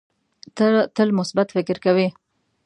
ته تل مثبت فکر کوې.